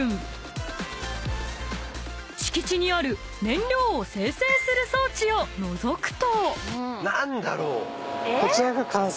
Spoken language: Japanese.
［敷地にある燃料を精製する装置をのぞくと］